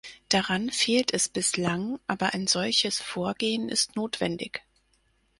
Daran fehlt es bislang, aber ein solches Vorgehen ist notwendig.